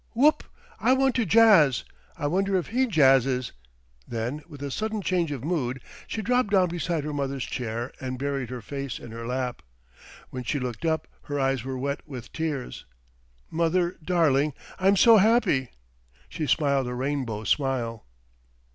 Whoop! I want to jazz. I wonder if he jazzes;" then, with a sudden change of mood she dropped down beside her mother's chair and buried her face in her lap. When she looked up her eyes were wet with tears. "Mother, darling, I'm so happy." She smiled a rainbow smile.